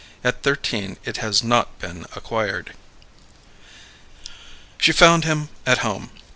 At thirteen it has not been acquired. She found him at home.